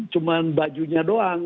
cuman bajunya doang